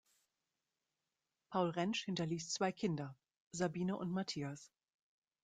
Paul Rentsch hinterließ zwei Kinder: Sabine und Mathias.